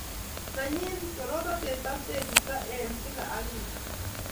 Nenyi torornatet ak teegisto en kila ak kila